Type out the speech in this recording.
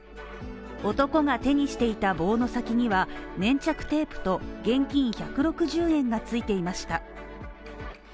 男が手にしていた棒の先には粘着テープと、現金１６０円がついていました。